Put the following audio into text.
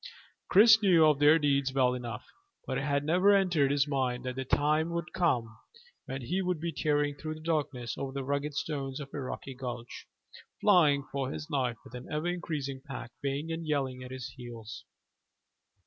Chris knew of their deeds well enough, but it had never entered his mind that the time would come when he would be tearing through the darkness over the rugged stones of a rocky gulch, flying for his life with an ever increasing pack baying and yelling at his heels.